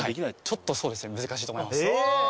そうですね難しいと思います。